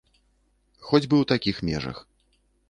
Хоць бы ў такіх межах.